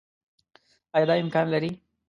آيا دا امکان لري